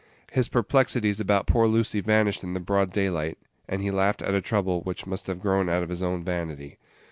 His perplexities about poor Lucy vanished in the broad daylight, and he laughed at a trouble which must have grown out of his own vanity.